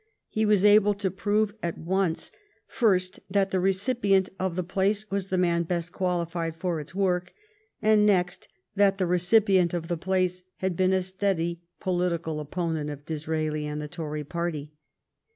He was able to prove at once, first that the recipient of the place was the man best qualified for its work, and, next, that the recipient of the place had been a steady political opponent of Disraeli and the Tory party.